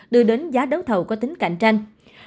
đưa đến giá đấu thầu có tính cạnh tranh